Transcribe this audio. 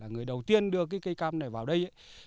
người đầu tiên đưa cây cam này vào đây